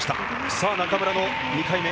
さあ、中村の２回目。